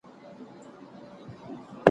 زه به ليکنې کړي وي